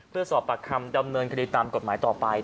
เพื่อสอบปากคำดำเนินคดีตามกฎหมายต่อไป